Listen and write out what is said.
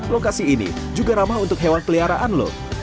lokasi ini juga ramah untuk hewan peliharaan lho